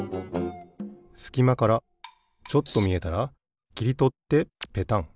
すきまからちょっとみえたらきりとってペタン。